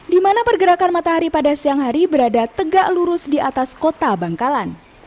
di mana pergerakan matahari pada siang hari berada tegak lurus di atas kota bangkalan